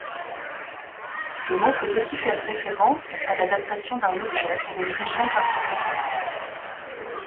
Ce mot peut aussi faire référence à l'adaptation d'un objet pour une région particulière.